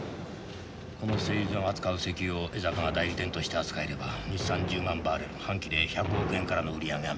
この製油所が扱う石油を江坂が代理店として扱えれば日産１０万バーレル半期で１００億円からの売り上げが見込める。